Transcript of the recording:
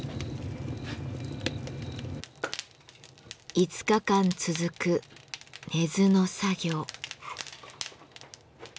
５日間続く寝ずの作業。